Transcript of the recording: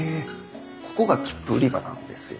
ここが切符売り場なんですよね。